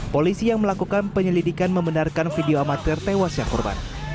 polisi yang melakukan penyelidikan membenarkan video amatir tewasnya korban